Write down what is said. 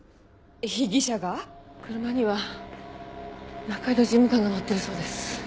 車には仲井戸事務官が乗ってるそうです。